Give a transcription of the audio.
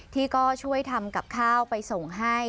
ที่ก็ช่วยทำกับข้าวไปส่งให้